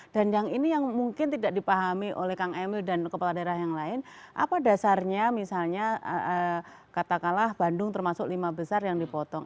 yang ini yang mungkin tidak dipahami oleh kang emil dan kepala daerah yang lain apa dasarnya misalnya katakanlah bandung termasuk lima besar yang dipotong